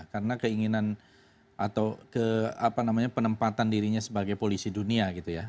karena keinginan atau penempatan dirinya sebagai polisi dunia gitu ya